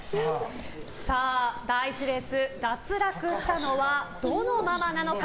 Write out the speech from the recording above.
第１レース脱落したのはどのママなのか。